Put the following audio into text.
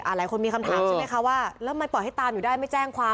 หลายคนมีคำถามใช่ไหมคะว่าแล้วมันปล่อยให้ตามอยู่ได้ไม่แจ้งความ